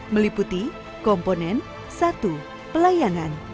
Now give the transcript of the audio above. meliputi komponen satu pelayanan